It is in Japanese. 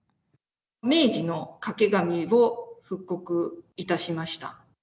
明治の掛け紙を復刻いたしました。